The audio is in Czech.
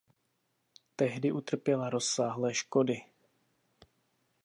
Tehdy utrpěla rozsáhlé škody.